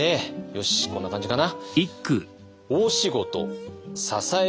よしこんな感じかな。